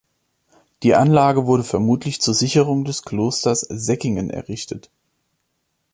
Die Anlage wurde vermutlich zur Sicherung des Klosters Säckingen errichtet.